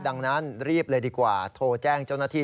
ดังนั้นรีบเลยดีกว่าโทรแจ้งเจ้าหน้าที่